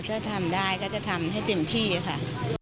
ถ้าทำได้ก็จะทำให้เต็มที่ค่ะ